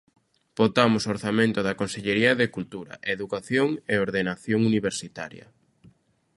Votamos o orzamento da Consellería de Cultura, Educación e Ordenación Universitaria.